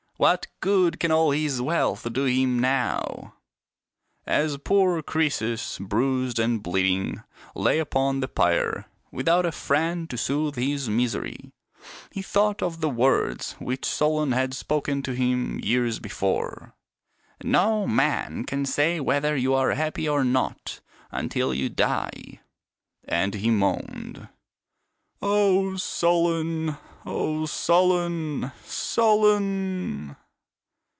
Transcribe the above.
" What good can all his wealth do him now ?" As poor Croesus, bruised and bleeding, lay upon 86 THIRTY MORE FAMOUS STORIES the pyre without a friend to soothe his misery, he thought of the words which Solon had spoken to him years before :" No man can say whether you are happy or not until you die," and he moaned, " O Solon ! O Solon ! Solon